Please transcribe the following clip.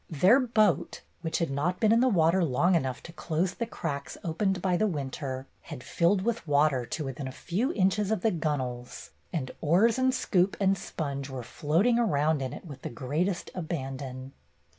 Their boat, which had not been in the water long enough to close the cracks opened by the winter, had filled with water to within a few inches of the gunwales, and oars and scoop and sponge were floating around in it with the greatest abandon.